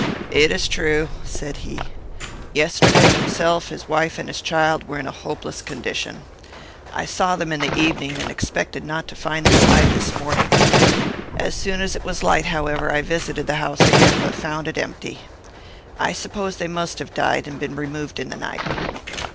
"It is true," said he. "Yesterday himself, his wife, and his child, were in a hopeless condition. I saw them in the evening, and expected not to find them alive this morning. As soon as it was light, however, I visited the house again; but found it empty. I suppose they must have died, and been removed in the night."